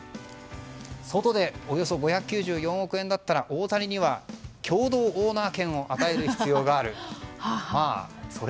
ソトでおよそ５９４億円だったら大谷には共同オーナー権を与える必要がある。